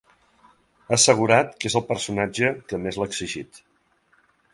Ha assegurat que és el personatge que més l’ha exigit.